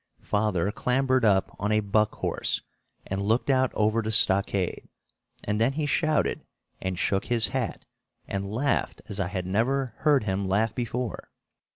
Father clambered up on a "buck horse" and looked out over the stockade; and then he shouted and shook his hat and laughed as I had never heard him laugh before.